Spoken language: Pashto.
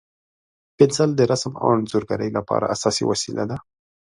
پنسل د رسم او انځورګرۍ لپاره اساسي وسیله ده.